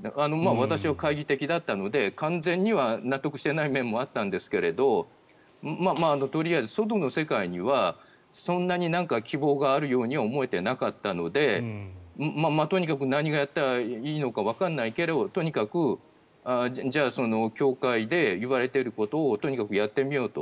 私は懐疑的だったので完全には納得していない面もあったんですがとりあえず外の世界にはそんなに希望があるようには思えていなかったのでとにかく何をやったらいいかわからないけどとにかくじゃあ、教会で言われていることをとにかくやってみようと。